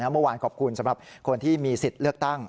เมื่อวานขอบคุณสำหรับคนที่มีสิทธิ์เลือกตั้ง